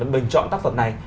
bình chọn tác phẩm này